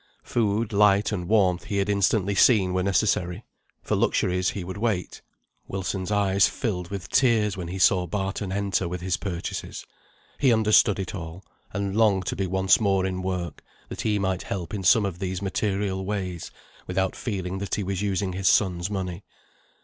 Food, light, and warmth, he had instantly seen were necessary; for luxuries he would wait. Wilson's eyes filled with tears when he saw Barton enter with his purchases. He understood it all, and longed to be once more in work, that he might help in some of these material ways, without feeling that he was using his son's money.